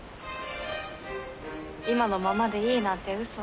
今のままでいいなんてうそ。